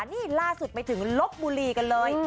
นี่ล่าสุดไปถึงลบบุรีกันเลย